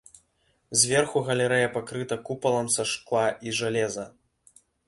Зверху галерэя пакрыта купалам са шкла і жалеза.